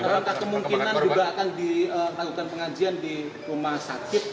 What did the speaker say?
dan ada kemungkinan juga akan dilakukan pengajian di rumah sakit